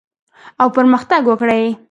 او پرمختګ وکړي.